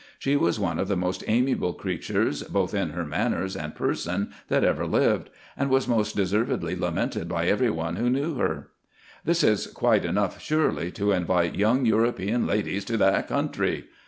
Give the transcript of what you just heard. She was one of the most amiable creatures, both in her manners and person, that ever lived ; and was most deservedly lamented by every one who knew her. This is quite enough, surely, to invite young European ladies to that country